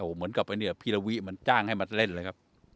เหมือนกับว่าเนี่ยพี่ระวิมันจ้างให้มาเล่นเลยครับ